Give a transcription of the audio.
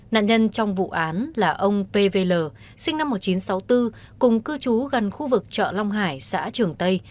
nạn nhân trong vụ án là ông p v l sinh năm một nghìn chín trăm sáu mươi bốn cùng cư chú gần khu vực chợ long hải xã trường tây